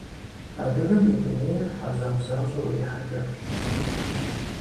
Адыгэм и дунейр хьэзаб защӀэу ирихьэкӀащ.